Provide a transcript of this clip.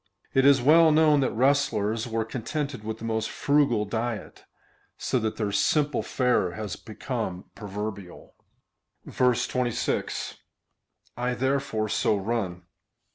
It is well known that wrestlers were contented Avith the most frugal diet, so that their simple fare has become proverbial. 26. / therefore so run.